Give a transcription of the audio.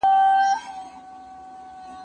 زه هره ورځ بازار ته ځم،